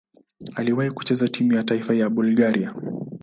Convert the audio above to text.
Aliwahi kucheza timu ya taifa ya Bulgaria.